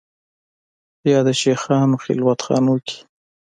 یا د شېخانو خلوت خانو کې